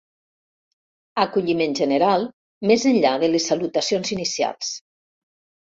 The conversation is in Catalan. Acolliment general, més enllà de les salutacions inicials.